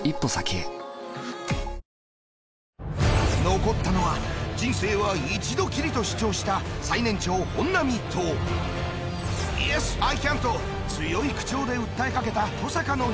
残ったのは「人生は一度きり」と主張した最年長本並と「Ｙｅｓ，Ｉｃａｎ！！」と強い口調で訴えかけた登坂の２名。